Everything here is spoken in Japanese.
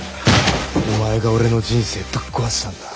お前が俺の人生ぶっ壊したんだ。